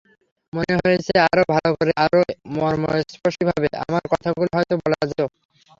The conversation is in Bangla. মনে হয়েছে আরও ভালো করে, আরও মর্মস্পর্শীভাবে আমার কথাগুলো হয়তো বলা যেত।